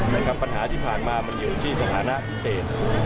ปัญหาที่ผ่านมามันอยู่ที่สถานะพิเศษ